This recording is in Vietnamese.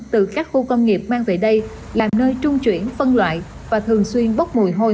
từ các khu công nghiệp mang về đây làm nơi trung chuyển phân loại và thường xuyên bốc mùi hôi